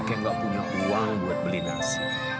kayak gak punya uang buat beli nasi